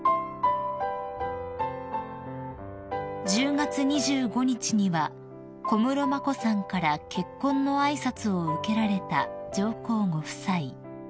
［１０月２５日には小室眞子さんから結婚の挨拶を受けられた上皇ご夫妻］